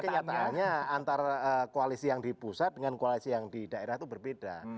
tapi kenyataannya antara koalisi yang di pusat dengan koalisi yang di daerah itu berbeda